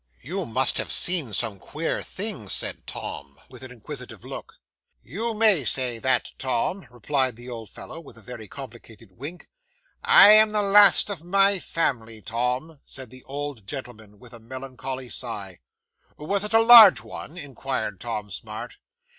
'"You must have seen some queer things," said Tom, with an inquisitive look. '"You may say that, Tom," replied the old fellow, with a very complicated wink. "I am the last of my family, Tom," said the old gentleman, with a melancholy sigh. '"Was it a large one?" inquired Tom Smart.